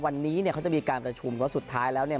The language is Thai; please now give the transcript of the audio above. วันนี้เนี่ยเขาจะมีการประชุมว่าสุดท้ายแล้วเนี่ย